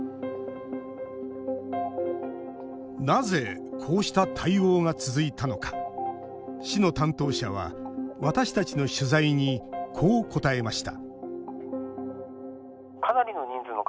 なぜ、こうした対応が続いたのか市の担当者は、私たちの取材にこう答えました